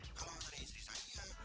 kalau cari istri saya